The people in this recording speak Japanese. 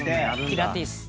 ピラティス。